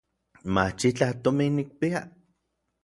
Machitlaj tomin nikpia.